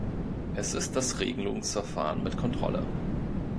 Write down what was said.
Es ist das Regelungsverfahren mit Kontrolle.